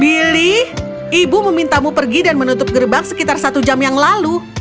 billy ibu memintamu pergi dan menutup gerbak sekitar satu jam yang lalu